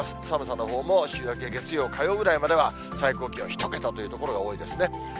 寒さのほうも週明け月曜、火曜ぐらいまでは、最高気温１桁という所が多いですね。